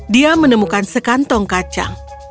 dia menemukan sekantong kacang